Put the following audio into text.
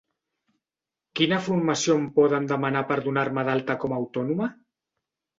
Quina formació em poden demanar per donar-me d'alta com a autònoma?